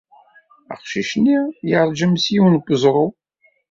Aqcic-nni yeṛjem s yiwen n weẓru.